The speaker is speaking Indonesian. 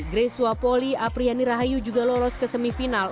grace swapoli apriyani rahayu juga lolos ke semifinal